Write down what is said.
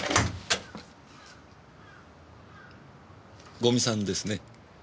五味さんですね？